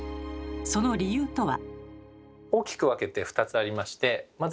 その理由とは。